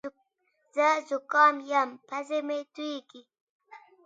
زه زوکام یم پزه مې تویېږې